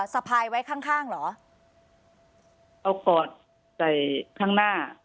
สะพายไว้ข้างข้างเหรอเอากอดใส่ข้างหน้า